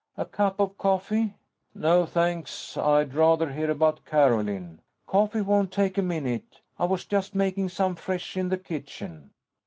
"A cup of coffee?" "No, thanks. I'd rather hear about Carolyn." "Coffee won't take a minute. I was just making some fresh in the kitchen."